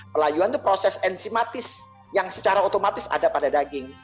pelayuan itu proses enzimatis yang secara otomatis ada pada daging